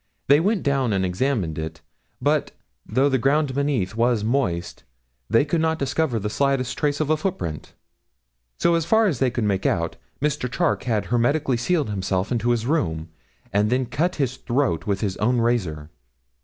They went down and examined it, but, though the ground beneath was moist, they could not discover the slightest trace of a footprint. So far as they could make out, Mr. Charke had hermetically sealed himself into his room, and then cut his throat with his own razor.'